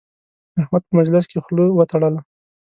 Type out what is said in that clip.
احمد په مجلس کې خول وتړله.